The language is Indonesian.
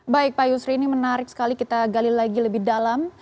baik pak yusri ini menarik sekali kita gali lagi lebih dalam